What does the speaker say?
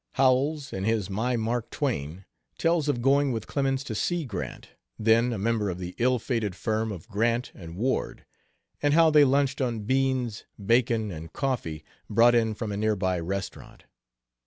Howells, in his 'My Mark Twain', tells of going with Clemens to see Grant, then a member of the ill fated firm of Grant and Ward, and how they lunched on beans, bacon and coffee brought in from a near by restaurant.